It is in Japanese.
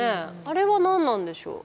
あれは何なんでしょう？